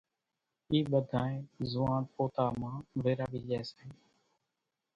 اِي ٻڌائي زوئاڻ پوتا مان ويراوي لئي سي،